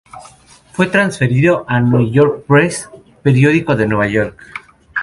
Luego fue transferido a "New York Press", periódico de Nueva York.